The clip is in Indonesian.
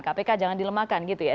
kpk jangan dilemahkan gitu ya